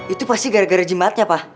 itu pasti gara gara jimatnya pa